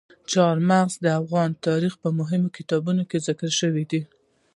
چار مغز د افغان تاریخ په مهمو کتابونو کې ذکر شوي دي.